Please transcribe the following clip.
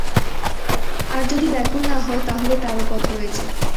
আর যদি ব্যাকুল না হও তাহলে তারও পথ রয়েছে।